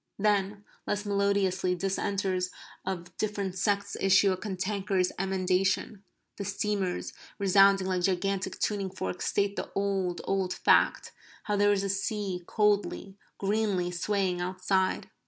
Then, less melodiously, dissenters of different sects issue a cantankerous emendation. The steamers, resounding like gigantic tuning forks, state the old old fact how there is a sea coldly, greenly, swaying outside.